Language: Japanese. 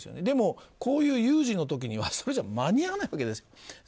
でもこういう有事の時はそれじゃ間に合わないわけです。